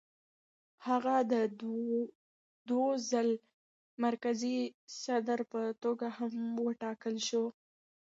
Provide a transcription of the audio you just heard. هغه د دوو ځل مرکزي صدر په توګه هم وټاکل شو.